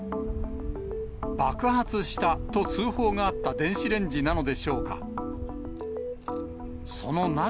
爆発したと通報があった電子レンジなのでしょうか。